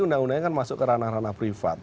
undang undangnya kan masuk ke ranah ranah privat